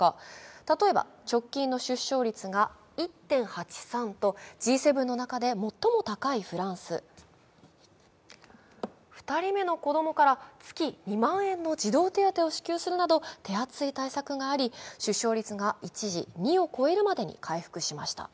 例えば直近の出生率が１．８３とＧ７の中で最も高いフランス、２人目の子供から月２万円の児童手当を支給するなど手厚い対策があり、出生率が一時２を超えるまでに回復しました。